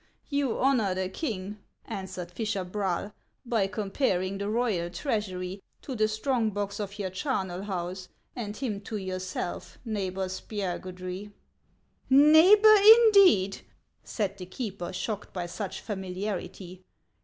" You honor the king," answered fisher Braal, " by com paring the royal treasury to the strong box of your charnel house, and him to yourself, Neighbor Spiagudry." " Neighbor, indeed !" said the keeper, shocked by such familiarity.